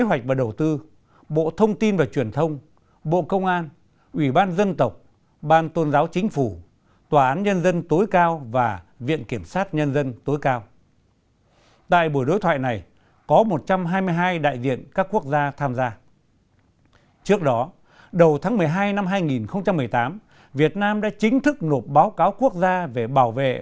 hãy nhớ like share và đăng ký kênh của chúng mình nhé